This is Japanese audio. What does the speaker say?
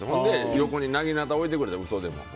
横になぎなた置いてくれ嘘でも。